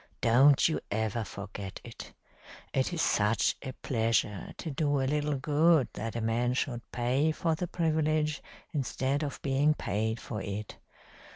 Don't you ever forget it. It is such a pleasure to do a little good that a man should pay for the privilege instead of being paid for it.